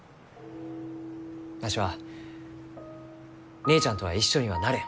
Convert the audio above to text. わしは姉ちゃんとは一緒にはなれん。